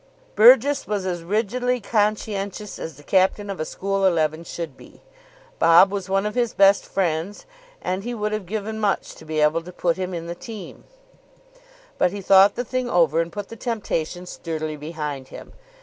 Burgess was as rigidly conscientious as the captain of a school eleven should be. Bob was one of his best friends, and he would have given much to be able to put him in the team; but he thought the thing over, and put the temptation sturdily behind him.